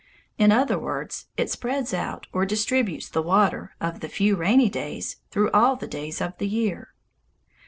In other words, it spreads out or distributes the water of the few rainy days through all the days of the year.